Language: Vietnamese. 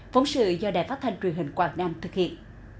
phóng sự do đài phát thanh truyền hình quảng nam thực hiện